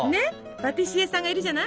パティシエさんがいるじゃない？